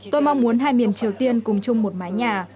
tôi mong muốn hai miền triều tiên cùng chung một mái nhà